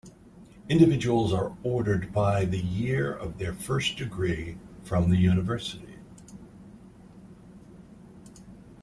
Individuals are ordered by the year of their first degree from the university.